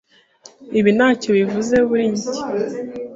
Ibi ntacyo bivuze kuri njye.